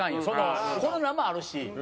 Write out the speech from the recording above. そのコロナもあるし。